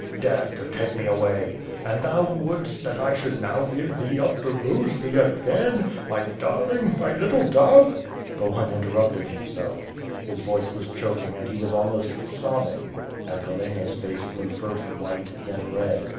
Death, to take me away — and thou would'st that I should now give thee up to lose thee again, my darling my little dove!" Bohun interrupted himself; his voice was choking and he was almost sobbing; and Helena's face grew first white, then red.